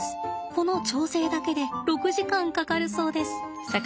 この調整だけで６時間かかるそうです。